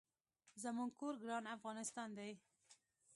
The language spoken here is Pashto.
زمونږ کور ګران افغانستان دي